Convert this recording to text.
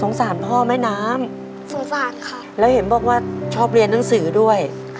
สารพ่อแม่น้ำสงสารค่ะแล้วเห็นบอกว่าชอบเรียนหนังสือด้วย